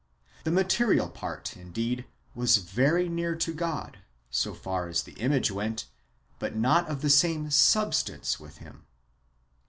The material part, indeed, was very near to God, so far as the image went, but not of the same substance with iiim.